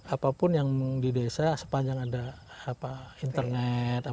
apapun yang di desa sepanjang ada internet